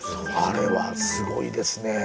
あれはすごいですね。